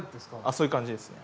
そういう感じですね。